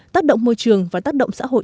tác động môi trường và tác động xã hội